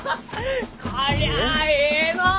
こりゃあえいのう！